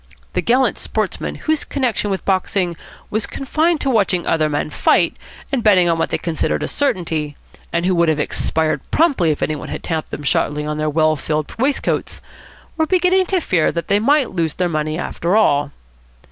The gallant sportsmen whose connection with boxing was confined to watching other men fight, and betting on what they considered a certainty, and who would have expired promptly if any one had tapped them sharply on their well filled waistcoats, were beginning to fear that they might lose their money after all.